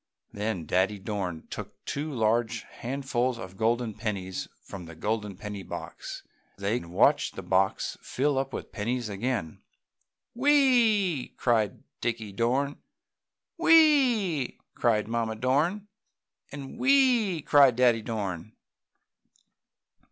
Then Daddy Dorn took two large handfuls of golden pennies from the golden penny box and they watched the box fill up with pennies again. "Whee!" cried Dickie Dorn. "Whee!" cried Mamma Dorn, and "Whee!" cried Daddy Dorn.